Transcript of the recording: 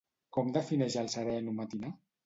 Com defineix el sereno matinar?